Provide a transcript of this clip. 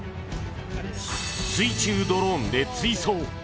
水中ドローンで追走。